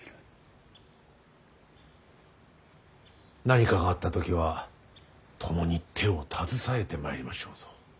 何かがあった時は共に手を携えてまいりましょうぞ。